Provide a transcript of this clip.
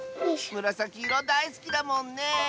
むらさきいろだいすきだもんね！